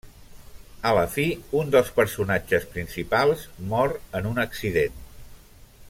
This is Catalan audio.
A la fi, un dels personatges principals mor en un accident.